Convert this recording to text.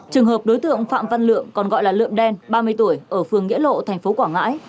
trường hợp đối tượng phạm văn lượng còn gọi là lượm đen ba mươi tuổi ở phường nghĩa lộ thành phố quảng ngãi